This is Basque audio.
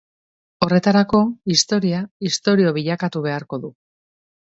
Horretarako historia istorio bilakatu beharko du.